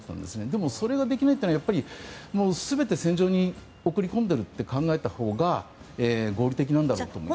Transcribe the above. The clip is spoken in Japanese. でも、それができないというのは全て戦場に送り込んでるって考えたほうが合理的なんだろうと思います。